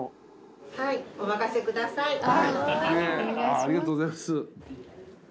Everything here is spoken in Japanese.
ありがとうございます。